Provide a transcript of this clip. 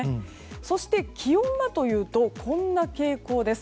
そして、気温はというとこんな傾向です。